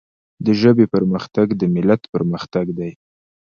د ژبي پرمختګ د ملت پرمختګ دی.